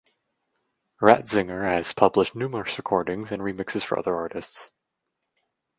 Ratzinger has published numerous recordings and remixes for other artists.